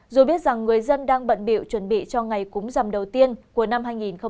dù biết rằng người dân đang bận biểu chuẩn bị cho ngày cúng rằm đầu tiên của năm hai nghìn hai mươi